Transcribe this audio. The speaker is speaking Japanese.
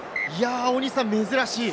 珍しい。